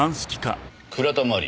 倉田真理。